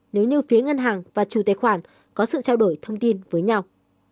nếu như phía ngân hàng và chủ tài khoản có sự trao đổi thông tin với nhau